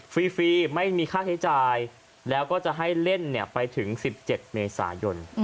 ฟรีไม่มีค่าใช้จ่ายแล้วก็จะให้เล่นไปถึง๑๗เมษายน